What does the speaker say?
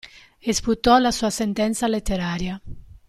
E sputò la sua sentenza letteraria.